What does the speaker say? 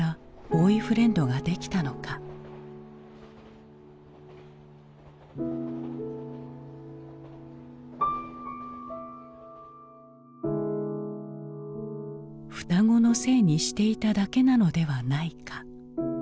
双子のせいにしていただけなのではないか。